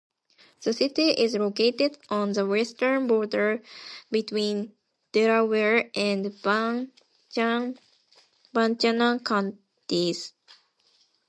The city is located on the western border between Delaware and Buchanan counties.